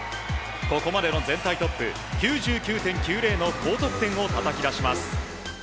ここまでの全体トップ９９．９０の高得点をたたき出します。